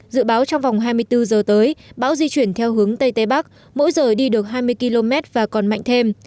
dự báo trong vòng hai mươi bốn giờ tới bão di chuyển theo hướng tây tây bắc mỗi giờ đi được hai mươi km và còn mạnh thêm